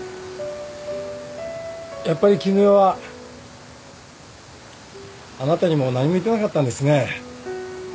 やっぱり絹代はあなたにも何も言ってなかったんですね。